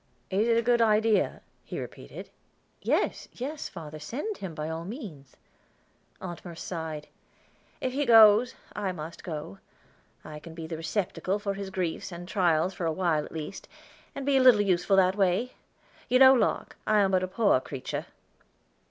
"Is it a good idea?" he repeated. "Yes, yes, father; send him by all means." Aunt Merce sighed. "If he goes, I must go; I can be the receptacle for his griefs and trials for a while at least, and be a little useful that way. You know, Locke, I am but a poor creature."